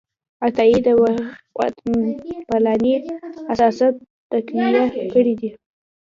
عطايي د وطنپالنې احساسات تقویه کړي دي.